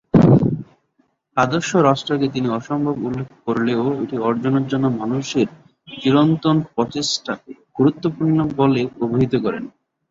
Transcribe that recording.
আদর্শ রাষ্ট্রকে তিনি অসম্ভব উল্লেখ করলেও এটি অর্জনের জন্য মানুষের চিরন্তন প্রচেষ্টাকে গুরুত্বপূর্ণ বলে অভিহিত করেন।